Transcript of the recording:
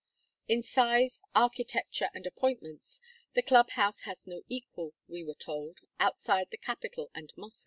In size, architecture, and appointments, the club house has no equal, we were told, outside the capital and Moscow.